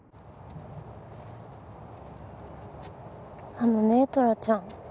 あのねトラちゃん。